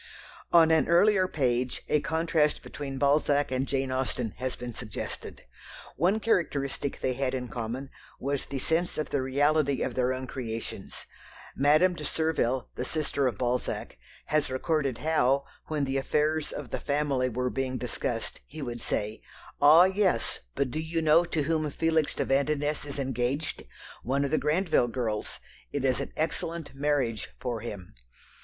On an earlier page a contrast between Balzac and Jane Austen has been suggested. One characteristic they had in common was the sense of the reality of their own creations. Madame de Surville, the sister of Balzac, has recorded how, when the affairs of the family were being discussed, he would say, "Ah, yes, but do you know to whom Felix de Vandenesse is engaged? One of the Grandville girls. It is an excellent marriage for him."